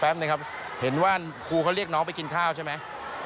ตอนนี้แต่ผมก็เห็นน้องร้องไห้ครับ